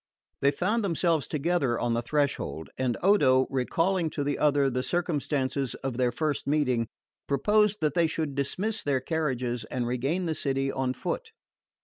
They found themselves together on the threshold; and Odo, recalling to the other the circumstances of their first meeting, proposed that they should dismiss their carriages and regain the city on foot.